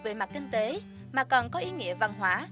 về mặt kinh tế mà còn có ý nghĩa văn hóa